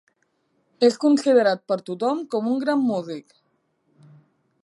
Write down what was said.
És considerat per tothom com un gran músic.